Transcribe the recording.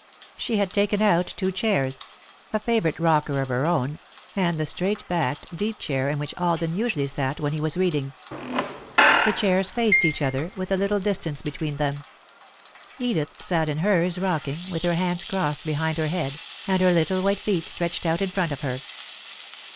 She had taken out two chairs a favourite rocker of her own, and the straight backed, deep chair in which Alden usually sat when he was reading. The chairs faced each other, with a little distance between them. Edith sat in hers, rocking, with her hands crossed behind her head, and her little white feet stretched out in front of her.